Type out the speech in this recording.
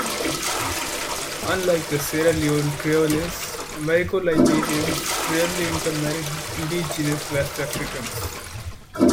Unlike the Sierra Leone Creoles, Americo-Liberians rarely intermarried with indigenous West Africans.